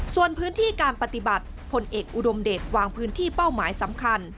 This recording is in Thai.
ส่วนพื้นที่การปฏิบัติผลเอกอุดมเดชวางพื้นที่เป้าหมายสำคัญ